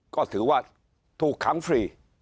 ก็ถือว่าถูกขังฟรี